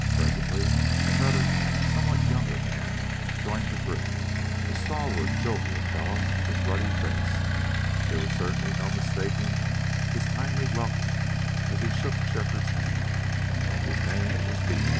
Presently another, somewhat younger, man joined the group, a stalwart, jovial fellow with ruddy face. There was certainly no mistaking his kindly welcome as he shook Shefford's hand. His name was Beal.